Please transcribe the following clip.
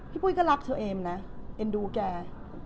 ปุ้ยก็รักเธอเอมนะเอ็นดูแก